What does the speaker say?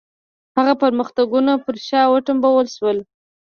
هغه پرمختګونه پر شا وتمبول شول.